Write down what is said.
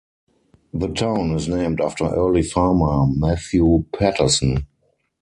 The town is named after early farmer Matthew Paterson.